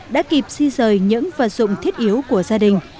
đã kịp di rời những vật dụng thiết yếu của gia đình